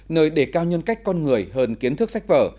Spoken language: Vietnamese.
nơi đề cao nhân cách con người hơn kiến thức sách vở